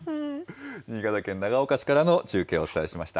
新潟県長岡市からの中継お伝えしました。